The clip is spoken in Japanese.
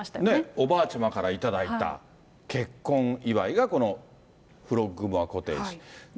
おばあちゃまから頂いた結婚祝いがこのフロッグモア・コテージ。